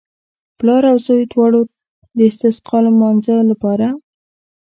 پلار او زوی دواړو د استسقا لمانځه لپاره.